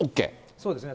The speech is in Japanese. そうですね。